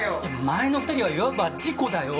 前の２人はいわば事故だよ。